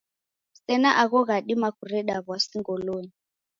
Sena agho ghadima kureda w'asi ngolonyi.